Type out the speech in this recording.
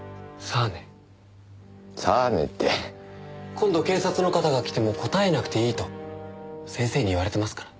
今度警察の方が来ても答えなくていいと先生に言われてますから。